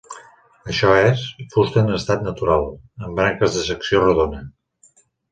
Això és: fusta en estat natural, amb branques de secció rodona.